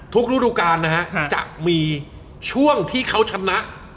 ทุกธุรการนะจะมีช่วงที่เขาชนะ